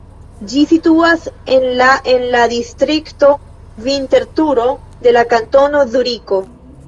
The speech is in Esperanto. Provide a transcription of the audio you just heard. Ĝi situas en la en la distrikto Vinterturo de la Kantono Zuriko.